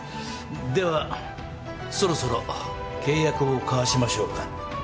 ではそろそろ契約を交わしましょうか。